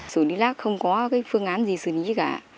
xử lý rác không có cái phương án gì xử lý cả